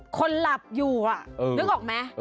คนหลับอยู่นึกออกไหม